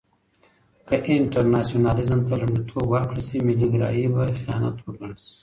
که انټرناسيونالېزم ته لومړيتوب ورکړل سي، ملي ګرايي به خيانت وګڼل سي.